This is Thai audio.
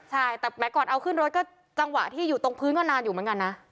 ใช่แต่แม้ก่อนเอาขึ้นรถก็จังหวะที่อยู่ตรงพื้นก็นานอยู่เหมือนกันนะ